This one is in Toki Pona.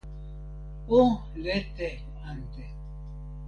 o lete ante.